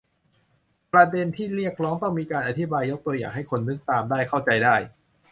ประเด็นที่เรียกร้องต้องมีการอธิบายยกตัวอย่างให้คนนึกตามได้เข้าใจได้